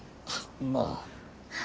まあ。